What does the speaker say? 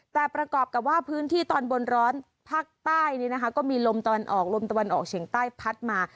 แต่ประกอบกับว่าพื้นที่ตอนบนร้อนภาคใต้ก็มีลมตะวันออกลมตะวันออกเฉียงใต้พัดมา